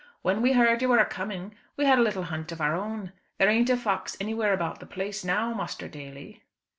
"When we heard you were a coming we had a little hunt of our own. There ain't a fox anywhere about the place now, Muster Daly."